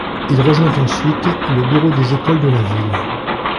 Il rejoint ensuite le bureau des écoles de la ville.